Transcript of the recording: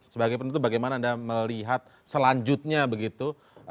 sebagai penutup bagaimana anda melihat selanjutnya begitu